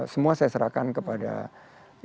semua saya serahkan kepada yang maha kuasa